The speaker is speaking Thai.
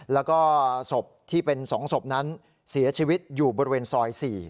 แล้วก็ศพที่เป็น๒ศพนั้นเสียชีวิตอยู่บริเวณซอย๔